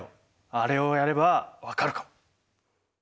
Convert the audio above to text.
あれをやれば分かるかも！